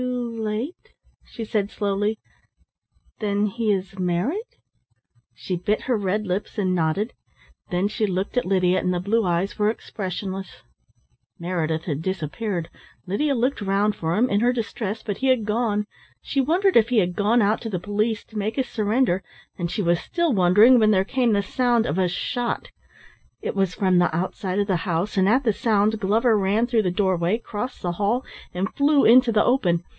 "Too late," she said slowly, "then he is married?" She bit her red lips and nodded, then she looked at Lydia, and the blue eyes were expressionless. Meredith had disappeared. Lydia looked round for him in her distress, but he had gone. She wondered if he had gone out to the police, to make his surrender, and she was still wondering when there came the sound of a shot. It was from the outside of the house, and at the sound Glover ran through the doorway, crossed the hall and flew into the open.